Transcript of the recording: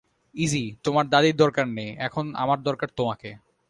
ইযি, তোমার দাদীর দরকার নেই, এখন, আমার দরকার তোমাকে।